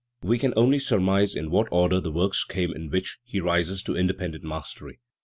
We can only surmise in what order the works came in which he rises to independent mastery*.